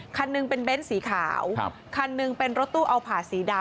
คันหนึ่งเป็นเน้นสีขาวครับคันหนึ่งเป็นรถตู้เอาผ่าสีดำ